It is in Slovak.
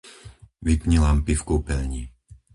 Vypni lampy v kúpeľni.